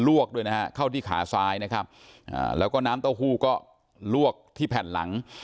วกด้วยนะฮะเข้าที่ขาซ้ายนะครับอ่าแล้วก็น้ำเต้าหู้ก็ลวกที่แผ่นหลัง